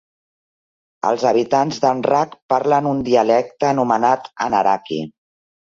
Els habitants d'Anrak parlen un dialecte anomenat Anaraki.